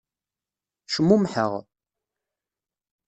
Cmumḥeɣ.